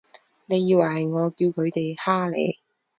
你以為係我叫佢哋㗇你？